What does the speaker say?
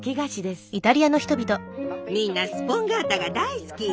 みんなスポンガータが大好きよ。